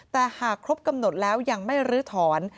แต่หากครบกำหนดแล้วยังไม่ลื้อถอน